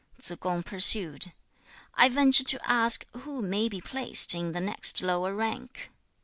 3. Tsze kung pursued, 'I venture to ask who may be placed in the next lower rank?'